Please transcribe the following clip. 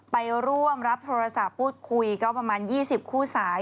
ไปร่วมรับโทรศัพท์พูดคุยก็ประมาณ๒๐คู่สาย